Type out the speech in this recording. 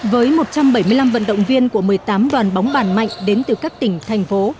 với một trăm bảy mươi năm vận động viên của một mươi tám đoàn bóng bàn mạnh đến từ các tỉnh thành phố